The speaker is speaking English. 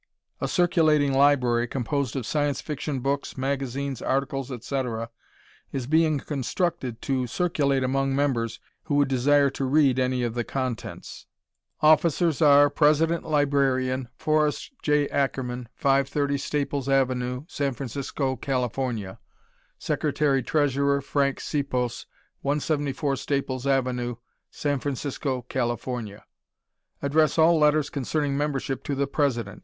A circulating library, composed of Science Fiction books, magazines, articles, etc., is being constructed to circulate among members who desire to read any of the contents. Officers are: President Librarian, Forrest J. Ackerman, 530 Staples Ave., San Francisco, Cal.; Secretary Treasurer, Frank Sipos, 174 Staples Ave., San Francisco, California. Address all letters concerning membership to the President.